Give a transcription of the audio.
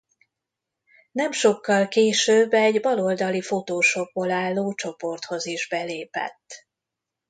Nem sokkal később egy bal oldali fotósokból álló csoporthoz is belépett.